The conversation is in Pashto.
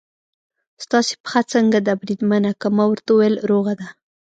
ستاسې پښه څنګه ده بریدمنه؟ ما ورته وویل: روغه ده.